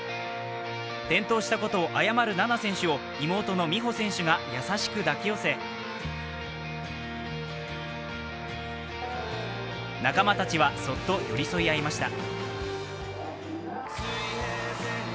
転倒したことを誤る菜那選手を妹の美帆選手が優しく抱き寄せ、仲間たちは、そっと寄り添い合いました。